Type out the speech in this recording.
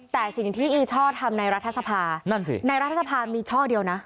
แต่สิ่งที่อีช่อทำในรัฐสภานั่นสิในรัฐสภามีช่อเดียวนะ